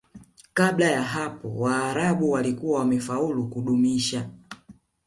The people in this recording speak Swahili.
Kabla ya hapo Waarabu walikuwa wamefaulu kudumisha